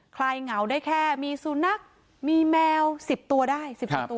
คลายเหงาได้แค่มีสูญนักมีแมว๑๐ตัวได้